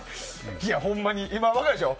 ほんまに分かるでしょ？